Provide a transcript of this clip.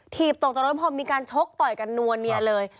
ถีบตกจากรถพอมีการชกต่อยกันนัวเนียเลย